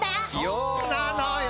そうなのよ！